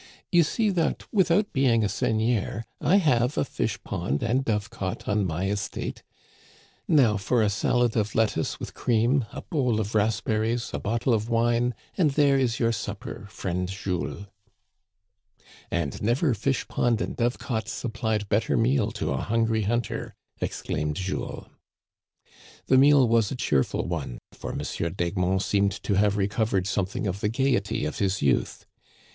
You see that, without being a seigneur, I have a fish pond and dove cote on my estate. Now for a salad of lettuce with cream, a bowl of raspberries, a bottle of wine — and there is your supper, friend Jules." Digitized by VjOOQIC I40 THE CANADIANS OF OLD. " And never fish pond and dove cote supplied better meal to a hungry hunter," exclaimed Jules. The meal was a cheerful one, for M. d'Egmont seemed to have recovered something of the gayety of his youth.